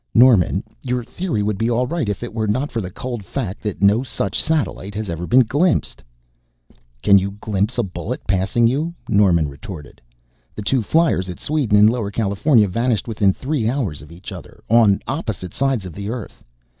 "Norman, your theory would be all right if it were not for the cold fact that no such satellite has ever been glimpsed." "Can you glimpse a bullet passing you?" Norman retorted. "The two fliers at Sweden and Lower California vanished within three hours of each other, on opposite sides of the Earth.